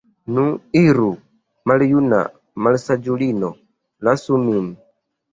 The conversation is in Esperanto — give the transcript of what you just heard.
Nu, iru, maljuna malsaĝulino, lasu nin!